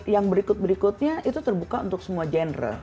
yang berikut berikutnya itu terbuka untuk semua genre